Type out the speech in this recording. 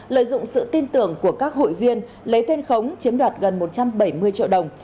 lợi dụng sự tin tưởng của các hội viên lấy tên khống chiếm đoạt gần một trăm bảy mươi triệu đồng